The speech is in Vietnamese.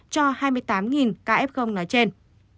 cho hai mươi tám ca f nói trên